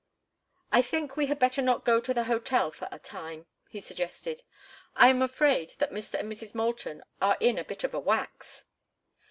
"I think we had better not go to the hotel for a time," he suggested. "I am afraid that Mr. and Mrs. Moulton are in a bit of a wax.